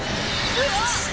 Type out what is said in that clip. うわっ！